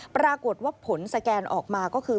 ปรากฏว่าผลสแกนออกมาก็คือ